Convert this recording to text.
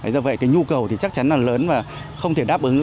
do vậy cái nhu cầu thì chắc chắn là lớn và không thể đáp ứng